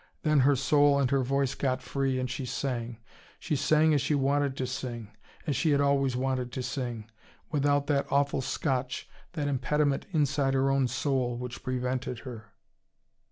Then her soul and her voice got free, and she sang she sang as she wanted to sing, as she had always wanted to sing, without that awful scotch, that impediment inside her own soul, which prevented her.